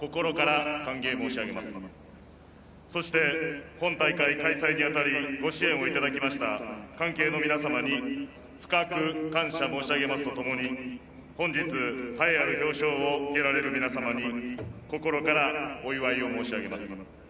そして本大会開催にあたりご支援を頂きました関係の皆様に深く感謝申し上げますとともに本日栄えある表彰を受けられる皆様に心からお祝いを申し上げます。